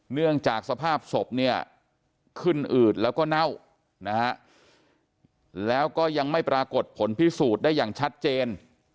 เนื่องจากสภาพศพเนี่ยขึ้นอืดแล้วก็เน่านะฮะแล้วก็ยังไม่ปรากฏผลพิสูจน์ได้อย่างชัดเจน